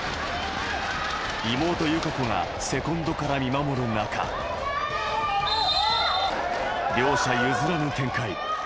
妹・友香子がセコンドから見守る中、両者譲らぬ展開。